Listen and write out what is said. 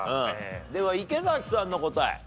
では池さんの答え。